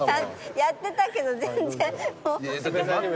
やってたけど全然もう。